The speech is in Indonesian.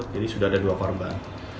jadi sudah ada dua korban